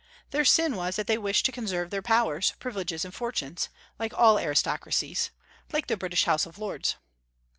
Their sin was that they wished to conserve their powers, privileges, and fortunes, like all aristocracies, like the British House of Lords.